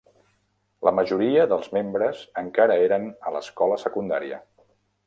La majoria dels membres encara eren a l'escola secundària.